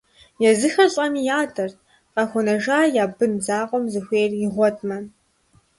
Езыхэр лӀэми ядэрт, къахуэнэжа я бын закъуэм зыхуейр игъуэтмэ.